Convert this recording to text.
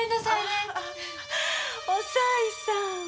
まあおさいさん。